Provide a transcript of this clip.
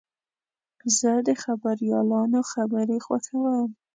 زه د خبریالانو خبرې خوښوم.